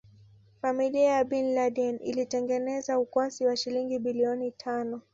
Familia ya Bin Laden ilitengeneza ukwasi wa shilingi biiloni tano